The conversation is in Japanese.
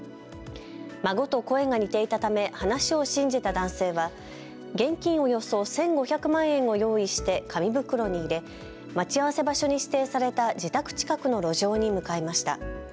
孫と声が似ていたため話を信じた男性は現金およそ１５００万円を用意して紙袋に入れ待ち合わせ場所に指定された自宅近くの路上に向かいました。